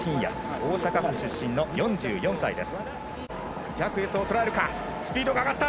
大阪府出身の４４歳です。